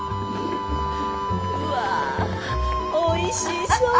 うわおいしそう！